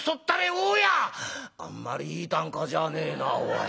「あんまりいい啖呵じゃねえなおい」。